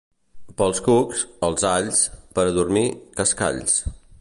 Pels cucs, els alls; per a dormir, cascalls.